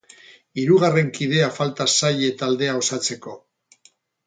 Hirugarren kidea falta zaie taldea osatzeko.